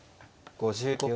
５０秒。